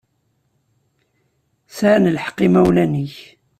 Sɛan lḥeqq yimawlan-ik.